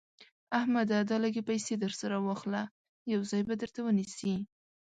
احمده دا لږ پيسې در سره واخله؛ يو ځای به درته ونيسي.